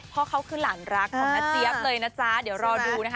พ่อเขาคือหลานรักของน้าเจี๊ยบเลยนะจ๊ะเดี๋ยวรอดูนะคะ